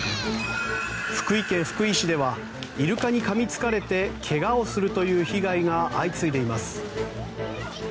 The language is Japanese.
福井県福井市ではイルカにかみつかれて怪我をするという被害が相次いでいます。